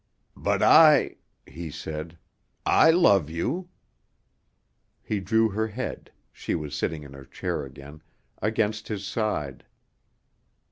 "But I" he said "I love you." He drew her head she was sitting in her chair again against his side.